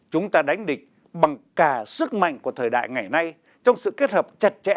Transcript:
chúng ta đánh địch bằng cả sức mạnh của thời đại ngày nay trong sự kết hợp chặt chẽ